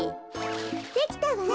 できたわ。